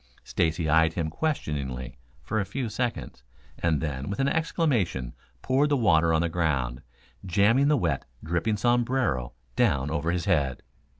Stacy eyed him questioningly for a few seconds, and then with an exclamation poured the water on the ground, jamming the wet, dripping sombrero down over his head.